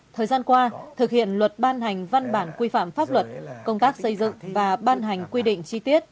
thời gian qua thực hiện luật ban hành văn bản quy phạm pháp luật công tác xây dựng và ban hành quy định chi tiết